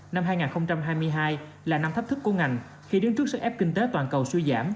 năm hai nghìn hai mươi hai là năm thách thức của ngành khi đứng trước sức ép kinh tế toàn cầu suy giảm